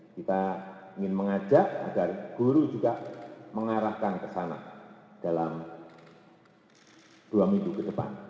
kita ingin mengajak agar guru juga mengarahkan ke sana dalam dua minggu ke depan